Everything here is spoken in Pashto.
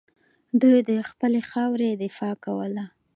دوی د خپلې خاورې دفاع کوله